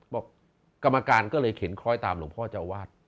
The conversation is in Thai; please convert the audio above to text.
กรรมการก็เลยเข็นคล้อยตามหลวงพ่อเจ้าวาด